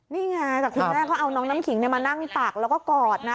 นี่ไงแต่คุณแม่ก็เอาน้องน้ำขิงมานั่งตักแล้วก็กอดนะ